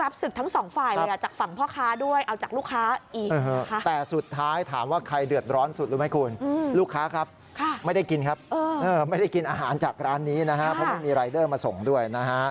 อันจากร้านนี้เพราะมันมีรายเดอร์มาส่งด้วย